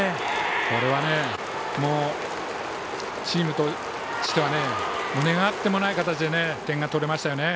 これはチームとしては願ってもない形で点が取れましたよね。